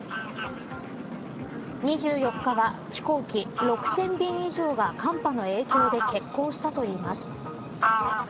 ２４日は飛行機６０００便以上が寒波の影響で欠航したといいます。